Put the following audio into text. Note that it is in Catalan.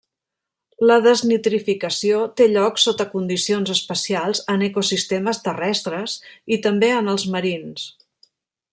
La desnitrificació té lloc sota condicions especials en ecosistemes terrestres i també en els marins.